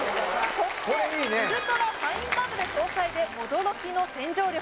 そしてウルトラファインバブル搭載で驚きの洗浄力